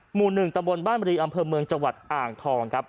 หมู่๑ตะบนบ้านมรีอำเภอเมืองจังหวัดอ่างทองครับ